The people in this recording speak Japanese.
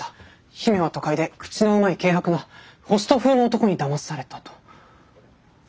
姫は都会で口のうまい軽薄なホスト風の男にだまされたと。